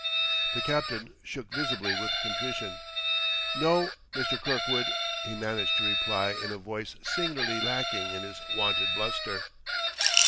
The captain shook visibly with contrition. "No, Mr. Kirkwood," he managed to reply in a voice singularly lacking in his wonted bluster.